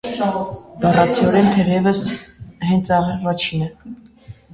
Բառացիորեն, թերևս հենց առաջինը։